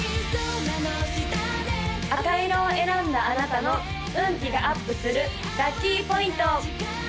赤色を選んだあなたの運気がアップするラッキーポイント！